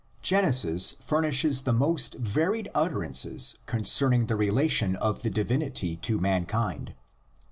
Genesis furnishes the most varied utterances con cerning the relation of the divinity to mankind.